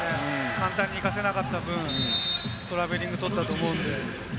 簡単にいかせなかった分、トラベリングを取ったと思います。